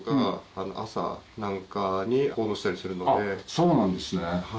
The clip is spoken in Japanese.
そうなんですね。